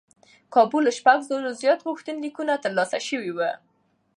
کابو له شپږ زرو زیات غوښتنلیکونه ترلاسه شوي و.